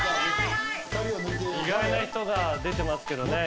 意外な人が出てますけどね。